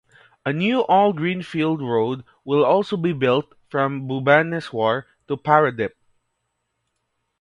A new all green field road will also be built from Bhubaneswar to Paradip.